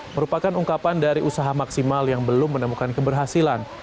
merupakan ungkapan dari usaha maksimal yang belum menemukan keberhasilan